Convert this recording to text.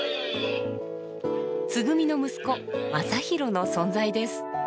つぐみの息子将大の存在です。